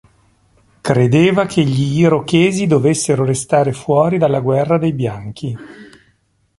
Credeva che gli Irochesi dovessero restare fuori dalla guerra dei bianchi.